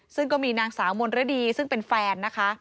ซึ่งก็มีนางสาวมนรดีซึ่งเป็นแฟนนะคะ